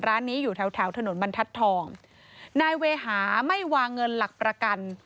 ร้านนี้อยู่แถวแถวถนนบรรทัศน์ทองนายเวหาไม่วางเงินหลักประกัน